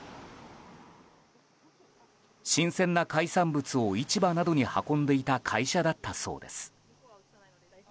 新鮮な海産物を市場などに運んでいた会社だったそうです。